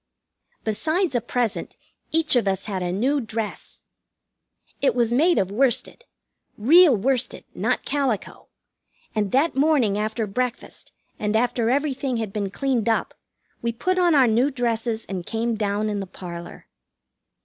Besides a present, each of us had a new dress. It was made of worsted real worsted, not calico; and that morning after breakfast, and after everything had been cleaned up, we put on our new dresses and came down in the parlor.